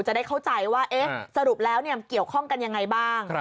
จะได้เข้าใจว่าสรุปแล้วเกี่ยวข้องกันยังไงบ้าง